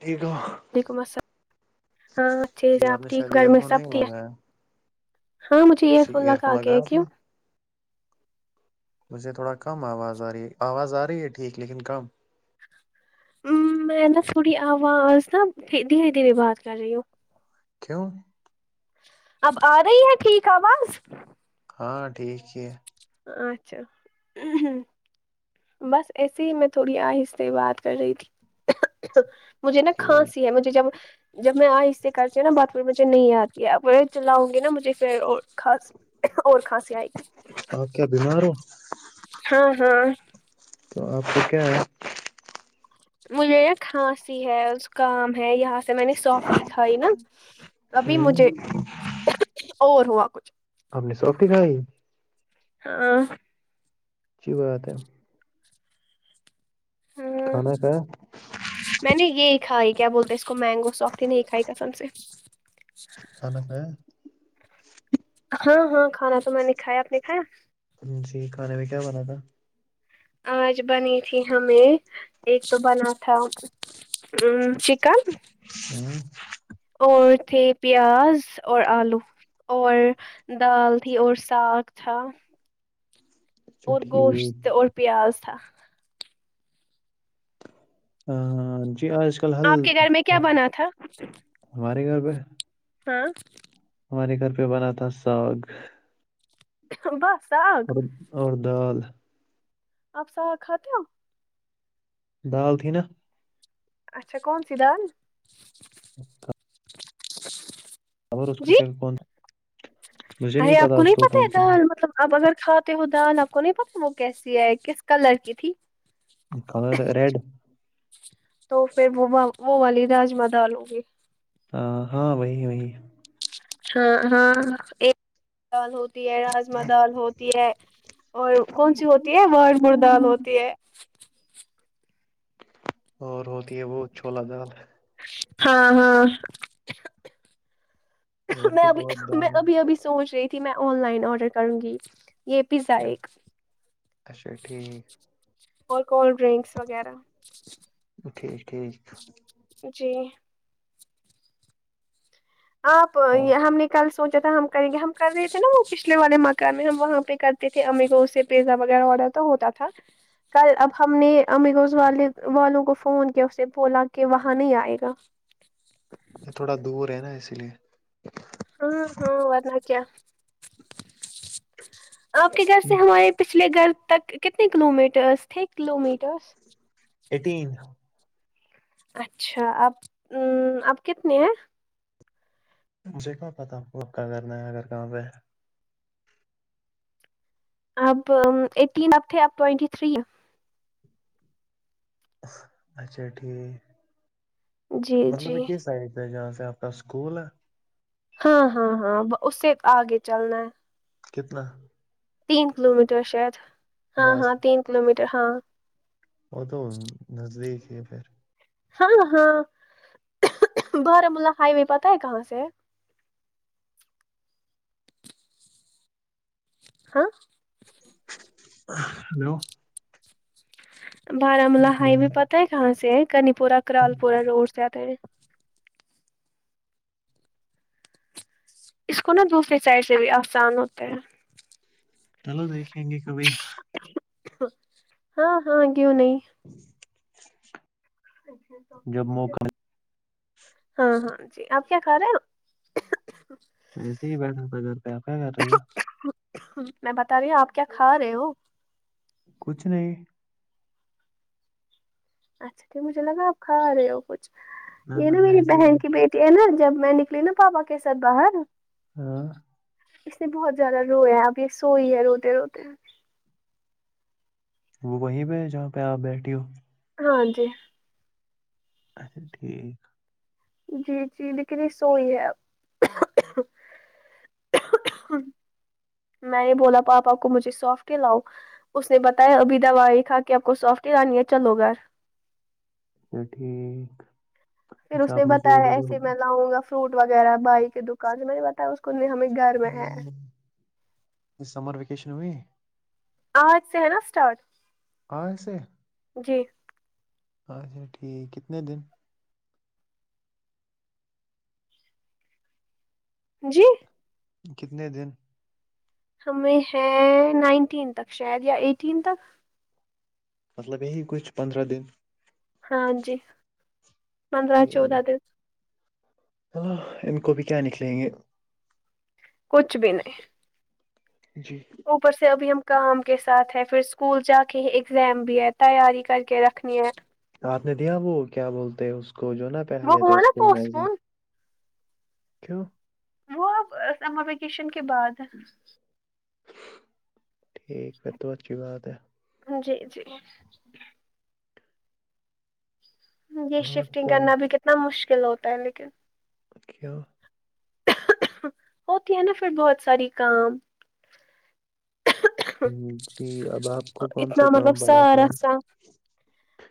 ٹھیک ہو وعلیکم السلام ہاں اچھے سے جی آپ نے ٹھیک شاید گھر ایئر میں فون سب نہیں ٹھیک ہے لگایا ہاں مجھے ایئر جی فون لگا کے لگایا ہیں آپ نے کیوں مجھے تھوڑا کم آواز آ رہی ہے آواز آ رہی ہے ٹھیک لیکن کم میں نا تھوڑی اواز نہ دھیرے دھیرے بات کر رہی ہوں کیا ہوا اب آ رہی ہے ٹھیک آواز ہاں ٹھیک ہی ہے اچھا بس ایسے ہی میں تھوڑی آہستہ بات کر رہی تھی مجھے نا ٹھیک کھانسی ہے مجھے جب جب میں اہستہ کرتی ہوں نا بات پھر مجھے نہیں آتی ہے اپ چلاؤں گی نا مجھے پھر اور کھانسی اور کھانسی آئے گی اپ کیا بیمار ہو ہاں ہاں تو آپ تو کیا ہے مجھے نا کھانسی ہے زکام ہے یہاں جسے میں نے سافٹی کھائی نا ابھی مجھے ہ اور ہوا کچھ اپ نے سوفٹی کھائی ہاں اچھی بات ہے ہاں کھانا کھایا میں نے یہی کھائی کیا بولتے اس کو مینگو سوفٹی نہیں کھائی قسم سے کھانا کھایا ہاں ہاں کھانا تو میں نے کھایا آپ نے کھایا جی کھانے میں کیا بنا تھا آج بنی تھی ہمیں ایک تو بنا تھا چکن ہمم اور تھے پیاز اور آلو اور دال تھی اور ساگ تھا اچھا اور گوشت ٹھیک اور پیاز تھا جی آج کل حل آپ کے گھر میں کیا بنا تھا ہمارے گھر پہ ہاں ہمارے گھر پہ بنا تھا ساگ بس ساگ اور اور دال آپ ساگ کھاتے ہو دال تھی نا اچھا کون سی دال اچھا جی [unintelligible] مجھے ارے آپ پتا کو اس نہیں پتی کون دال سا مطلب آپ اگر کھاتے ہو دال آپ کو نہیں پتی وہ کیسی ہے کس کلر کی تھی کلر ریڈ تو پھر وہ وہ والی راجما دال گی ہاں وہی وہی ہاں ہاں دال ہوتی ہے راجما دال ہوتی ہے اور کون سی ہوتی یہ وار مڑ دال ہوتی ہے اور ہوتی ہے وہ چھولا دال ہاں ہاں اور میں بھی بہت ابھی میں دال ہے ابھی ابھی سوچ رہی تھی میں آن لائن آرڈر کروں گی پیزا کیا ایک اچھا ٹھیک اور کولڈ ڈرنکس وغیرہ ٹھیک ٹھیک جی آپ ہاں یہ ہم نکل سوچا تھا ہم کریں گے ہم کر رہے تھے نا وہ پچھلے والے مکان میں ہم وہاں پہ کرتے تھے امگو سے پیزا وغیرہ آرڈر تو ہوتا تھا کل اب ہم نے ا مگزان والے والوں کو فون کیا اسے بولا کہ وہاں نہیں آئے گا یہ تھوڑا دور ہے نا اسی لیے ہاں ہاں ورنہ کیا آپ کے گھر سے ہمارے پچھلے گھر تک کتنے کلو میٹرس تھے کلو میٹر ایٹین اچھا اب اب کتنے ہیں مجھےکیا پٹی کوب کیا کرنا ہے اگر کہاں پہ اب ایٹین اب تھے اب ٹوئینٹی تھری اچھا ٹھیک جی مطلب جی یی۔ کس سائڈ جہاں سے اپنا اسکول ہے ہاں ہاں ہاں اس سے آگے چلنا ہے کتنا تین کلو میٹر شاید ہاں بس ہاں تین کلو میٹر ہاں وہ تو نزدیک ہی پھر ہاں ہاں بارامولہ ہائی وے پتا ہے کہاں سے ہاں hello Baramulla highway hello, پتا ہے کہاں سے ہے کنی پور کرال پور روڈ سے آتے اس کو نا دوسری سائڈ سے بھی آسان ہوتے ہیں چلو دیکھیں گے کبھی ہاں ہاں کیوں نہیں جب موقع ہاں ہاں جی آپ کیا کھا رہے ہو ایسے ہی بیٹھا تھا گھر پہ آپ کیا کر رہی ہو میں بتا رہی ہوں آپ کیا کھا رہے ہو کچھ نہیں اچھا ٹھیک مجھے لگا آپ کھا رہے ہو کچھ نہ یہ نہ نا میں میری ایسے ہی بہن کی بیٹھا بیٹی نا جب میں نکلی نا پاپا کے سھ باہر ہاں اس نے بہت زیادہ رویا ہے اب یہ سوئی ہے روتے روتے وہ وہیں پہ ہے جہاں پہ آپ بیٹھی ہو ہاں جی اھا ٹھیک جی جی لیکی سو ہی ہے میں نے بولا پاپ آپ کو مجھے سونپ کے لاؤ اس نے بتایا ابھی دواائی کھا کے آپ کو سافٹرانی ہے چلو گھر یہ ٹھیک پھر اس اچھا نے آپ مجھے یہ بتایا بتاؤ ایسے میں لاؤں گا فروٹ وغیرہ بائی کی دکان جو میں نے بتایا اس کو نہیں ہمیں گھر میں ہے سمر ویکیشن ہو آج سے ہے نا اسٹارٹ آسے جی اچھا ٹھیک کتنے دن جی کتنے دن ہمیں ہے نائنٹین تک شاید یا ایٹین تک مطلب یہی کچھ پندرہ دن ہاں جی پندرہ چودہ دس ہ ان کو بھی کیا نکلیں گے کچھ بھی نہیں جی اوپر سے ابھی ہم کام کے ساتھ ہے پھر اسکول جا کے ہی اگزام بھی ہے تیاری کر کے رکھنی ہے آپ نے دیا وہ کیا بولتے اس کو جو نا پہل وہ لیتے ہوا نا اسکول میں پوسٹ ایگزام پون چوں وہ اب سمر ویکیشن کے بعد ٹھیک پ تو بات کیھی بات ہے جی جی یہ اور شفٹنگ کہاں کرنا بھی کتنا مشکل ہوتا ہے لیکن اک ہوتی ہے نا پھر بہت ساری کام جی اب آپ کو کون اتنا سا مطلب کام پڑا سار تھا آان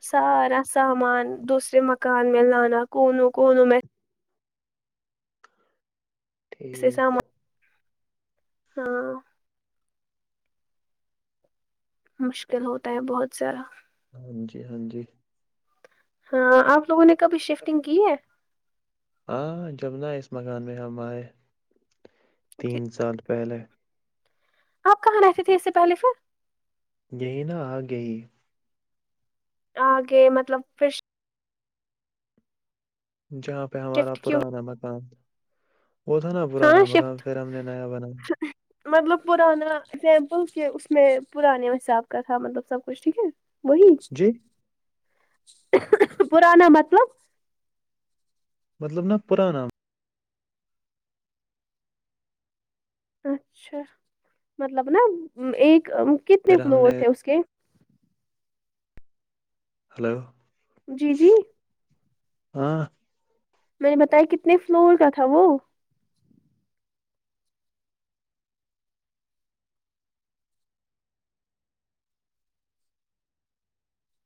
سارا سامان دوسرے مکان میں لانا کونوں کوون میں سے ٹھیک سامان ہاں مشکل ہوتا ہے بہت زیاارہ ہاں جی ہاں جی ہاں آپ لوگوں نے کبھی شفٹنگ کی ہے ہاں جبنا اس مکان میں ہم آئے تین سال پہلے آپ کہاں رہتے تھے اس سے پہلے پھر نین آ گئی آ گ مطلب پھر جہاں پہ ہمارا شفٹ کیوں پرانا مکان وہ تھا نا پرانا ہاں مقام شفٹ پھر ہم نے نیا بنا مطلب پرانا ازیمپل کہ اس میں پرانے حساب کا تھا مطلب سب کچھ ٹھیک ہے وہ جی پرانا مطلب مطلب نہا پرانا اچھا مطلب نا ایک کتنے پھر ہم فلور نے تھے اس کے ہلو جی جی ہاں میں نے بتایا کتنے فلور کا تھا وہ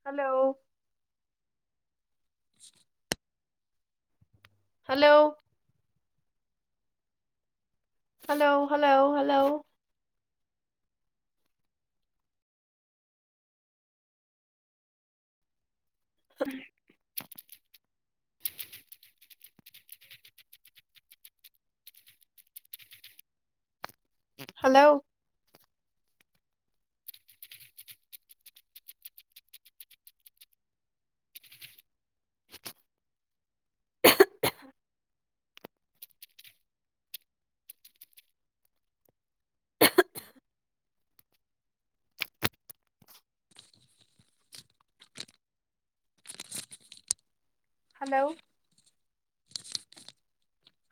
hello [inaudible] hello hello hello hello ہوں ہلو ہلو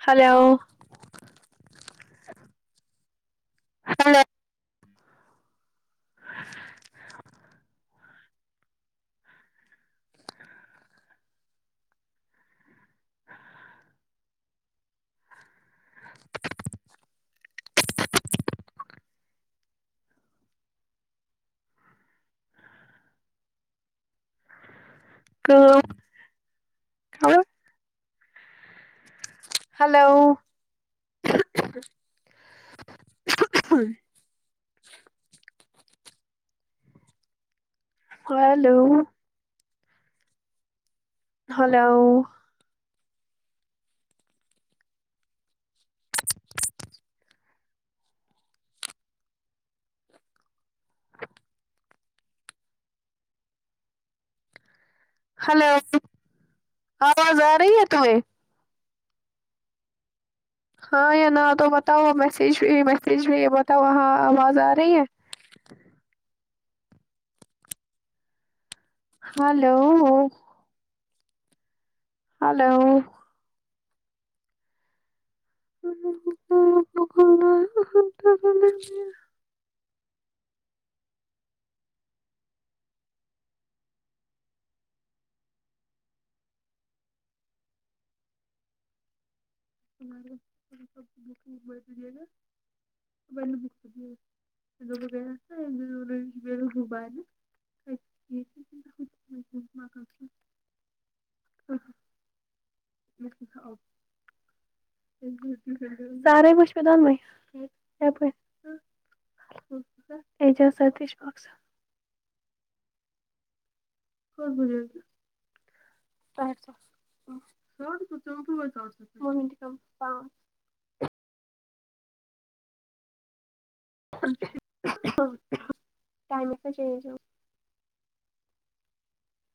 ہلو ہ ک ہلو ہ ہلو ہلو ہلو آواز آ رہی ہے تمہیں ہاں یا نا تو بتاؤ میسیج میسیج بھی یہ بتاؤ ہاں آواز آ رہی ہے ہلو ہلو بکنا بک دیج گا بک کر گا لگ گ ان بیل ہووبائے نا م [unintelligible] او سار مش میں دونویں پور اجازات اشفق ص خ ب ج پ سو س س تو پ چڑ سو مٹ کا پاچ ٹائمس چج